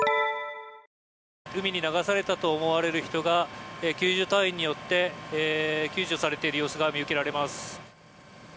海に流されたと思われる人が救助隊員によって救助されている様子が見受けられます。